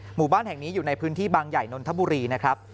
หมู่บ้านแห่งนี้อยู่ในพื้นที่บางใหญ่นนทบุรีนะครับ